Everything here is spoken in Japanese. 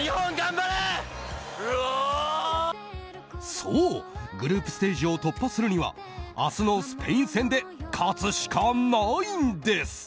そう、グループステージを突破するには明日のスペイン戦で勝つしかないんです！